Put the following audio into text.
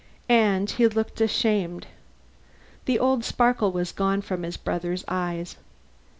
And he looked ashamed. The old sparkle was gone from his brother's eyes.